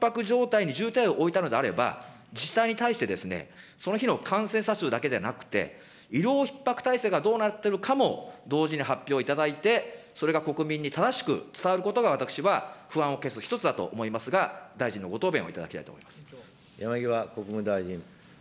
状態に重点を置いたのであれば、自治体に対して、その日の感染者数だけじゃなくて、医療ひっ迫体制がどうなっているかも、同時に発表いただいて、それが国民に正しく伝わることが、私は不安を消す一つだと思いますが、大臣のご答弁をいただきたい山際国務大臣。